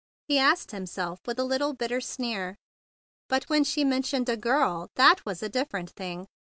he asked himself with a little bitter sneer. But, when she mentioned a girl , that was a different thing!